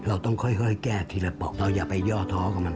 เราต้องค่อยแก้ทีละปอกเราอย่าไปย่อท้อกับมัน